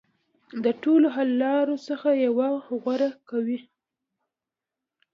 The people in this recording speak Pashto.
د ټولو حل لارو څخه یوه غوره کوي.